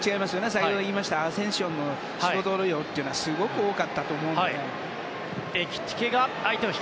先ほど言いましたけどアセンシオの仕事量っていうのはすごく多かったと思うので。